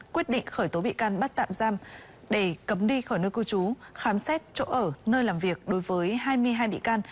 quyết định khởi tố bị can bắt tạm giam để cấm đi khỏi nơi cư trú khám xét chỗ ở nơi làm việc đối với hai mươi hai bị can